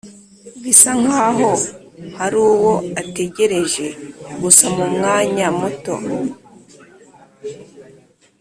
bisa nkaho haruwo ategereje gusa mumwanya muto